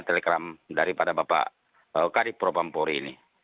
telegram daripada bapak kadipropampori ini